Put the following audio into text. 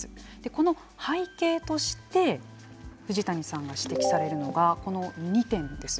この背景として藤谷さんが指摘されるのがこの２点です。